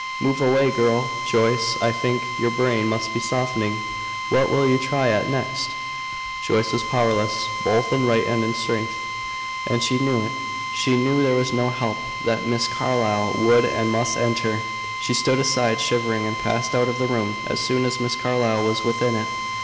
"Move away, girl. Joyce, I think your brain must be softening. What will you try at next?" Joyce was powerless, both in right and strength, and she knew it. She knew there was no help that Miss Carlyle would and must enter. She stood aside, shivering, and passed out of the room as soon as Miss Carlyle was within it.